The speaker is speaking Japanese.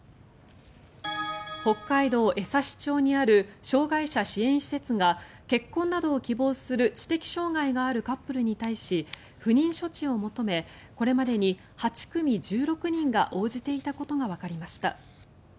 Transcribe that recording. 北海道江差町にある障害者支援施設が結婚などを希望する知的障害があるカップルに対し不妊処置を求めこれまでに８組１６人が応じていたことがわかりました。